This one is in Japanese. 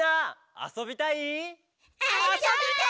「あそびたい！」